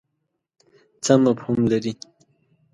څه مفهوم لري.